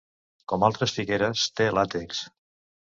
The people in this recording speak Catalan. Com altres figueres, té làtex.